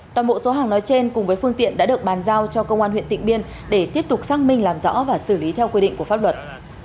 toàn bộ số hàng nói trên cùng với phương tiện đã được bàn giao cho công an huyện tịnh biên để tiếp tục xác minh làm rõ và xử lý theo quy định của pháp luật